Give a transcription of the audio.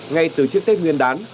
ngay từ trước tết nguyên đán